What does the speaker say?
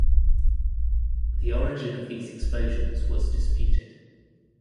The origin of these explosions was disputed.